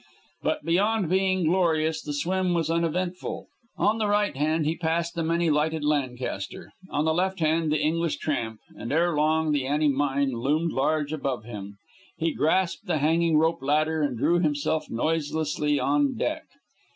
But beyond being glorious the swim was uneventful. On the right hand he passed the many lighted Lancaster, on the left hand the English tramp, and ere long the Annie Mine loomed large above him. He grasped the hanging rope ladder and drew himself noiselessly on deck.